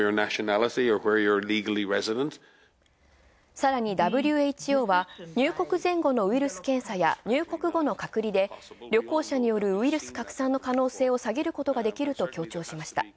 さらに、ＷＨＯは入国前後のウイルス検査や入国後の隔離で、旅行者によるウイルス拡散の可能性を下げることができると強調しました。